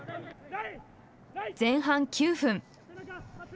前半９分。